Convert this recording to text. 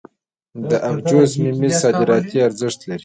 د ابجوش ممیز صادراتي ارزښت لري.